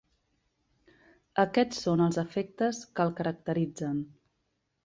Aquests són els efectes que el caracteritzen.